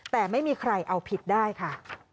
แต่ไม่มีใครเอาผิดได้ค่ะ